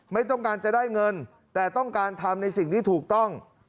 ไม่ต้องการจะได้เงินแต่ต้องการทำในสิ่งที่ถูกต้อง